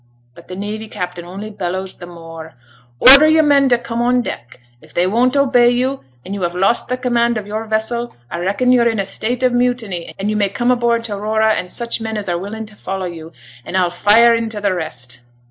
But t' navy captain only bellows t' more, "Order your men t' come on deck. If they won't obey you, and you have lost the command of your vessel, I reckon you're in a state of mutiny, and you may come aboard t' Aurora and such men as are willing t' follow you, and I'll fire int' the rest."